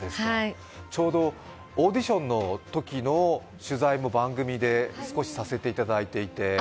ちょうどオーディションのときの取材も、番組で少しさせていただいていて。